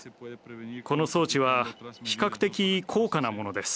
この装置は比較的高価なものです。